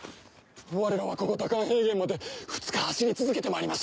われらはここ蛇甘平原まで２日走り続けてまいりました。